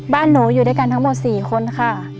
บ้านหนูอยู่ด้วยกันทั้งหมด๔คนค่ะ